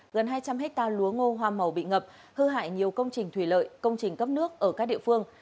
gần hai trăm linh hectare lúa ngô hoa màu bị ngập hư hại nhiều công trình thủy lợi công trình cấp nước ở các địa phương